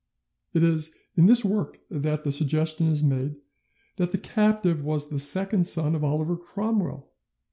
It is in this work that the suggestion is made that the captive was the second son of Oliver Cromwell.